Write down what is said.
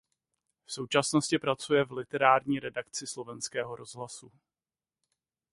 V současnosti pracuje v Literární redakci Slovenského rozhlasu.